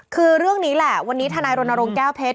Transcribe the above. คือเรื่องนี้แหละวันนี้ทนายรณรงค์แก้วเพชร